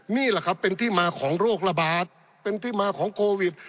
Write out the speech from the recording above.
นี่แหละครับเป็นที่มาของโรคระบาดเป็นที่มาของโควิด